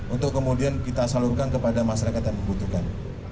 untuk kemudian kita salurkan kepada masyarakat yang membutuhkan